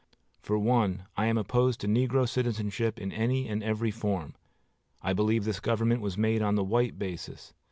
For one, I am opposed to negro citizenship in any and every form. I believe this government was made on the white basis.